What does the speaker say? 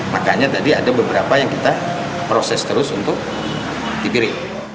makanya tadi ada beberapa yang kita proses terus untuk dipilih